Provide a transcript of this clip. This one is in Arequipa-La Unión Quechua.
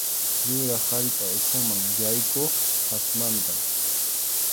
Yurap allpa ukhuman yaykuq phatmantam.